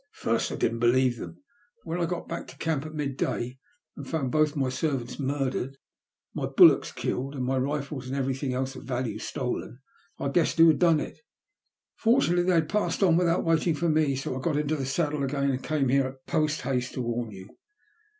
At first I didn't believe them, but when I got back to camp at mid day to day and found both my ser vants murdered, my bullocks killed, and my rifles and everything else of value stolen, 1 guessed who had done it. Fortunately, they had passed on without waiting for me, so I got into the saddle again and came here post haste to warn you.